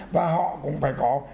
và họ cũng phải có